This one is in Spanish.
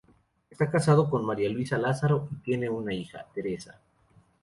Está casado con María Luisa Lázaro y tiene una hija, Teresa.